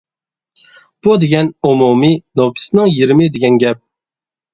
بۇ دېگەن ئومۇمىي نوپۇسنىڭ يېرىمى دېگەن گەپ.